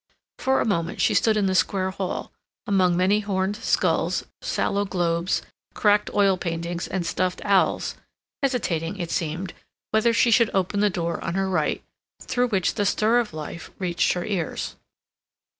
For a moment she stood in the square hall, among many horned skulls, sallow globes, cracked oil paintings, and stuffed owls, hesitating, it seemed, whether she should open the door on her right, through which the stir of life reached her ears.